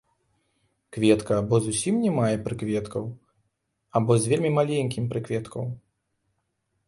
Кветка або зусім не мае прыкветкаў або з вельмі маленькім прыкветкаў.